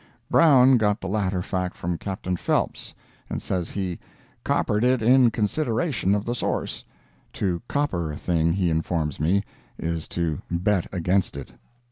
Brown got the latter fact from Captain Phelps, and says he "coppered it in consideration of the source." To "copper" a thing, he informs me, is to bet against it.